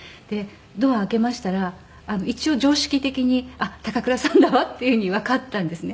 ドア開けましたら一応常識的にあっ高倉さんだわっていうふうにわかったんですね。